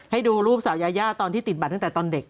ให้ดูรูปสาวยายาตอนที่ติดบัตรตั้งแต่ตอนเด็ก